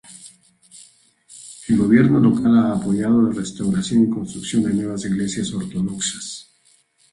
El gobierno local ha apoyado la restauración y construcción de nuevas iglesias ortodoxas.